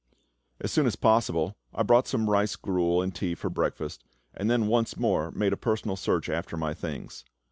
As soon as possible, I bought some rice gruel and tea for breakfast, and then once more made a personal search after my things.